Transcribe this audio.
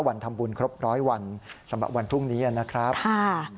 วันทำบุญครบร้อยวันสำหรับวันพรุ่งนี้นะครับค่ะ